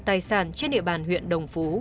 tài sản trên địa bàn huyện đồng phú